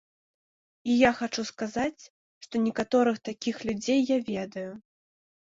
І я хачу сказаць, што некаторых такіх людзей я ведаю.